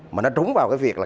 mà nó trúng vào việc